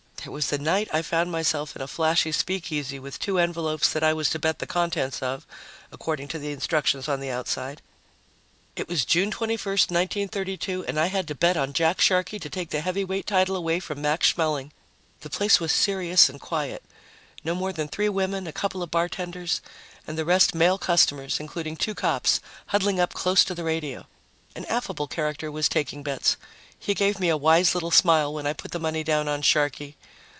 There was the night I found myself in a flashy speakeasy with two envelopes that I was to bet the contents of, according to the instructions on the outside. It was June 21, 1932, and I had to bet on Jack Sharkey to take the heavyweight title away from Max Schmeling. The place was serious and quiet no more than three women, a couple of bartenders, and the rest male customers, including two cops, huddling up close to the radio. An affable character was taking bets. He gave me a wise little smile when I put the money down on Sharkey.